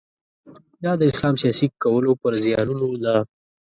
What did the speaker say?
دا د اسلام سیاسي کولو پر زیانونو ده.